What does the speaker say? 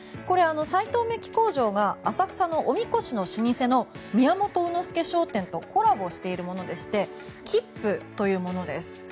斎藤鍍金工場が浅草のおみこしの老舗の宮本卯之助商店とコラボしているものでしてＫＩＰＰＵというものです。